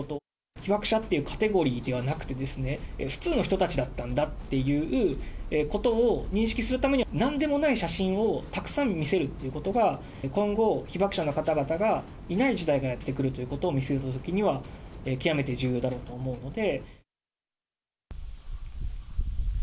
被爆者っていうカテゴリーではなくて、普通の人たちだったんだということを認識するために、なんでもない写真をたくさん見せるっていうことが、今後、被爆者の方々がいない時代がやって来るということを見据えたときには、極めて重要だと思うので。